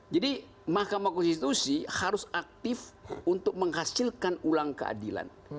jadi mahkamah konstitusi harus aktif untuk menghasilkan ulang keadilan